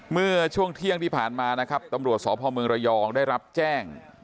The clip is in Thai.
เมื่อช่วงเที่ยงที่ผ่านมานะครับตำรวจสพเมืองระยองได้รับแจ้ง